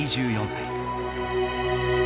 ２４歳。